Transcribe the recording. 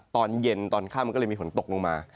ตอนเย็นตอนข้ามมันก็เลยมีฝนตกลงมา